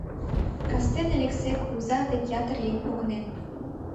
Кастене Элексей кугыза дек ятыр еҥ погынен.